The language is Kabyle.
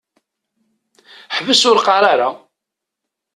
Ḥbes ur qqaṛ ara!